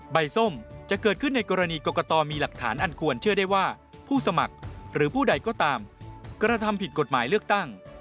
ส้มจะเกิดขึ้นในกรณีกรกตมีหลักฐานอันควรเชื่อได้ว่าผู้สมัครหรือผู้ใดก็ตามกระทำผิดกฎหมายเลือกตั้ง